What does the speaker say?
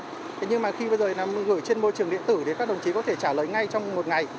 thế nhưng mà khi bây giờ gửi trên môi trường điện tử thì các đồng chí có thể trả lời ngay trong một ngày